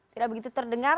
tidak begitu terdengar